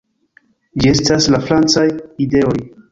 Ĝi estas la francaj ideoj.